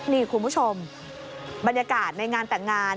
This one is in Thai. นี่คุณผู้ชมบรรยากาศในงานแต่งงาน